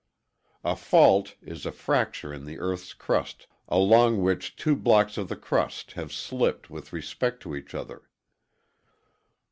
A fault is a fracture in the EarthŌĆÖs crust along which two blocks of the crust have slipped with respect to each other.